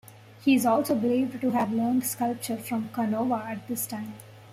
He is also believed to have learned sculpture from Canova at this time.